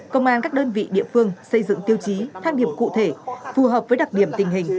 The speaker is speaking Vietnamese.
công an các đơn vị địa phương xây dựng tiêu chí thang điểm cụ thể phù hợp với đặc điểm tình hình